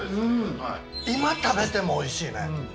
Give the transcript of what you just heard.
今食べてもおいしいね。